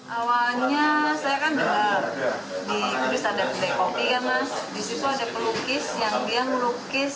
awalnya saya kan di kudus ada kopi kan mas disitu ada pelukis yang dia melukis